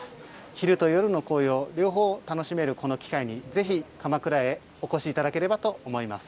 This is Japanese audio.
昼と夜の紅葉を両方楽しめるこの機会にぜひ鎌倉にお越しいただければと思います。